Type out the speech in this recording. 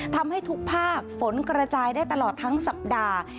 ทำให้ทุกภาคฝนกระจายได้ตลอดทั้งสัปดาห์